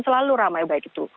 selalu ramai baik itu